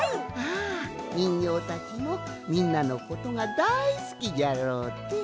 あにんぎょうたちもみんなのことがだいすきじゃろうて。